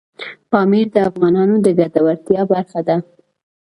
پامیر د افغانانو د ګټورتیا برخه ده.